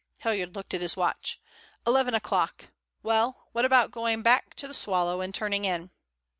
Hilliard looked at his watch. "Eleven o'clock. Well, what about going back to the Swallow and turning in?"